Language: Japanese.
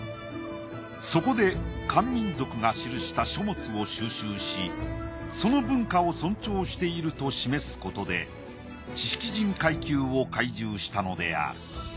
そこで漢民族が記した書物を収集しその文化を尊重していると示すことで知識人階級を懐柔したのである。